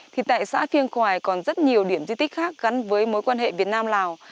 thì tại xã phiêng khoài còn rất nhiều điểm di tích khác gắn với mối quan hệ việt nam lào